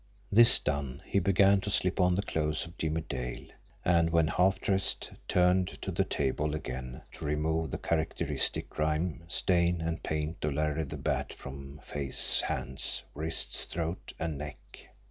This done, he began to slip on the clothes of Jimmie Dale; and, when half dressed, turned to the table again to remove the characteristic grime, stain, and paint of Larry the Bat from face, hands, wrists, throat, and neck.